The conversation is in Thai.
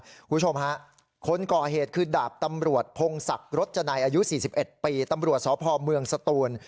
คุณผู้ชมฮะคนก่อเหตุคือดาบตำรวจพงศักดิ์รจนัยอายุ๔๑ปีตำรวจสพเมืองสตูน